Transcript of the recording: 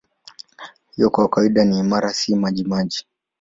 Hivyo kwa kawaida ni imara, si majimaji.